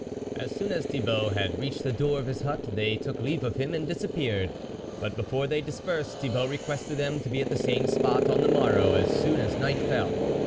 As soon as Thibault had reached the door of his hut, they took leave of him and disappeared ; but, be fore they dispersed, Thibault requested them to be at the same spot on the morrow, as soon as night fell.